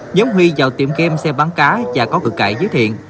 nhóm huy vào tiệm game xe bán cá và có cực cãi với thiện